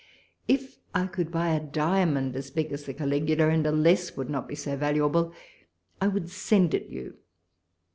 If I could buy a diamond as big as the Caligula, and a less would not be so valuable, I would send it you.